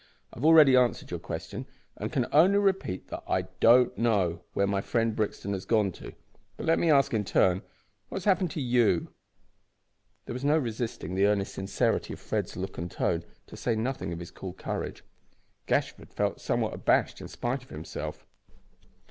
I have already answered your question, and can only repeat that I don't know where my friend Brixton has gone to. But let me ask, in turn, what has happened to you?" There was no resisting the earnest sincerity of Fred's look and tone, to say nothing of his cool courage. Gashford felt somewhat abashed in spite of himself.